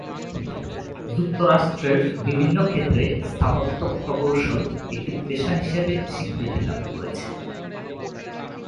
যুক্তরাষ্ট্রের বিভিন্ন ক্ষেত্রে স্থাপত্য প্রকৌশল একটি পেশা হিসেবে স্বীকৃতি লাভ করেছে।